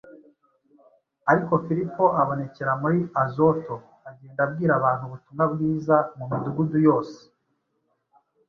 Ariko Filipo abonekera mu Azoto, agenda abwira abantu ubutumwa bwiza mu midugudu yose